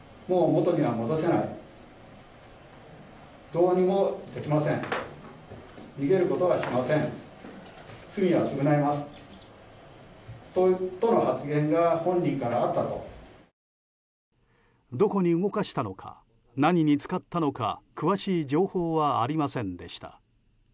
どこに動かしたのか何に使ったのか詳しい情報はありませんでした。